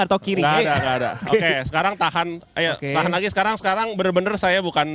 maret pokoknya udah di tangan kerja lah